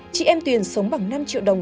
chị em tuyền sống bằng năm triệu đồng